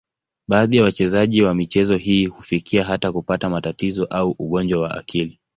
Baadhi ya wachezaji wa michezo hii hufikia hata kupata matatizo au ugonjwa wa akili.